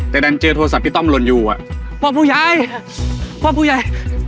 แต่ดันเจอโทรศัพท์พี่ต้อมหล่นอยู่อ่ะพ่อผู้ใหญ่พ่อผู้ใหญ่